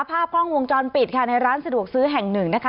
ภาพกล้องวงจรปิดค่ะในร้านสะดวกซื้อแห่งหนึ่งนะคะ